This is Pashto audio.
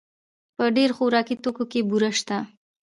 په ډېر خوراکي توکو کې بوره شته.